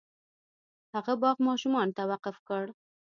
هغه باغ ماشومانو ته وقف کړ.